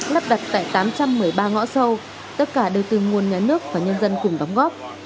lắp đặt tại tám trăm một mươi ba ngõ sâu tất cả đều từ nguồn nhà nước và nhân dân cùng đóng góp